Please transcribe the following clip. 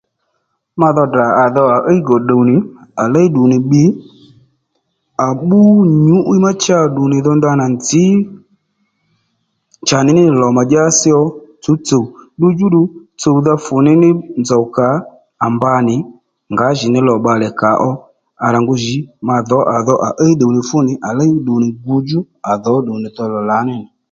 Ma dho tdrà à íy gò ddùwnì à léy ddùwnì bbiy à bbú nyǔ'wíy ma cha à dho ndanà nzǐ chaní ní lò mà dyásì ó tsǔwtsùw ddu djúddù tsùwdha fùní nì nzòw kà à mba nì ngǎjìní lò bbalè kà ó à rà ngu jì ma dhǒ à dho à íy ddùwnì fǔnì à léy mí ddùwnì gudjú à dhǒ ddùwnì dhò lò lǎní nì